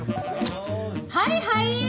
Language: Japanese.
はいはい！